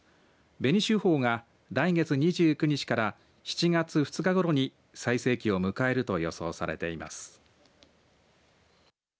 紅秀峰が来月２９日から７月２日ごろに最盛期を迎えると予想されています。